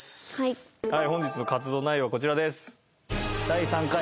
本日の活動内容はこちらです。